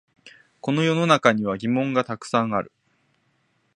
この世の中には疑問がたくさんある